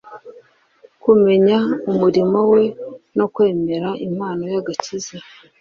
kumenya umurimo we no kwemera impano y'agakiza.